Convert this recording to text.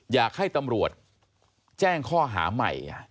อยากให้ตำรวจแจ้งข้อหาใหม่